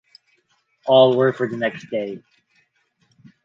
All were for the next day.